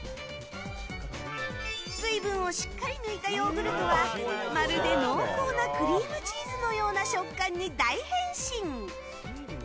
水分をしっかり抜いたヨーグルトはまるで濃厚なクリームチーズのような食感に大変身！